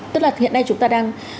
tức là hiện nay chúng ta đang